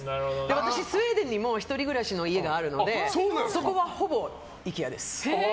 私、スウェーデンにも１人暮らしの家があるのでそこはほぼＩＫＥＡです。